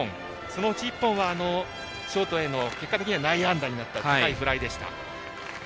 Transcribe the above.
そのうち１本はショートへの結果的に内野安打になった高いフライでした。